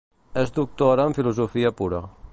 És doctora en filosofia pura.